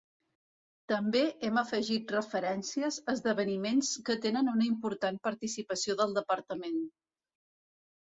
També hem afegit referències a esdeveniments que tenen una important participació del Departament.